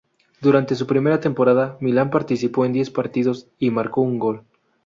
Durante su primera temporada, Milán participó en diez partidos y marcó un gol.